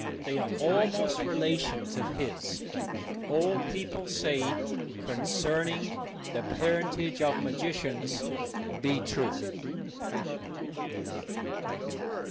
They are almost relations of his, if all people say concerning the parentage of magicians be true.